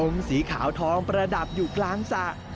สีขาวทองประดับอยู่กลางสระ